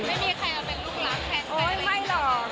ไม่มีใครเอาเป็นลูกรักแทนใคร